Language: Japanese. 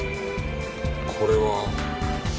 これは。